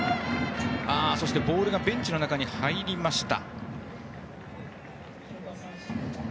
そして、ボールがベンチの中へ入りました。